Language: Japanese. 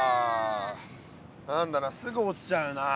何だかすぐ落ちちゃうな。